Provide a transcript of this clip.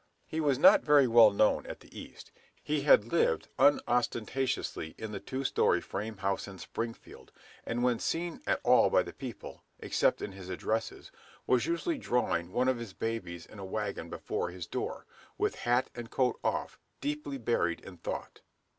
He was not very well known at the East. He had lived unostentatiously in the two story frame house in Springfield, and when seen at all by the people, except in his addresses, was usually drawing one of his babies in a wagon before his door, with hat and coat off, deeply buried in thought.